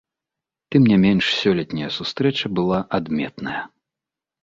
Тым не менш сёлетняя сустрэча была адметная.